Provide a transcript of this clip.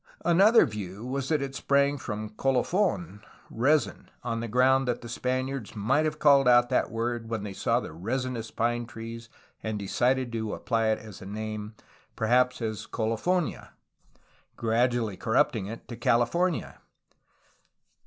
Another view was that it sprang from ^^Colo f6n" (resin), on the ground that the Spaniards might have called out that word when they saw the resinous pine trees and decided to apply it as a name, perhaps as ^'Colofonia,'^ gradually corrupting it to ^'California."